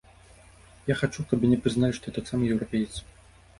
Я хачу, каб мяне прызналі, што я таксама еўрапеец.